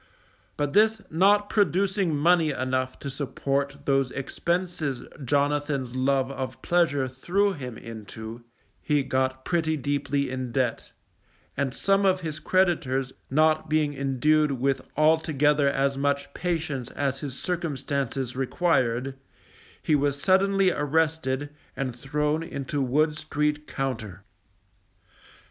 But this not producing money enough to support those expenses Jonathan's love of pleasure threw him into, he got pretty deeply in debt; and some of his creditors not being endued with altogether as much patience as his circumstances required, he was suddenly arrested, and thrown into Wood street Compter.